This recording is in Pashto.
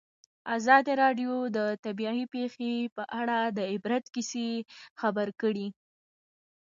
ازادي راډیو د طبیعي پېښې په اړه د عبرت کیسې خبر کړي.